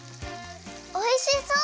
おいしそう！